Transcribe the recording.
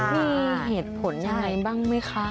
มีเหตุผลยังไงบ้างไหมคะ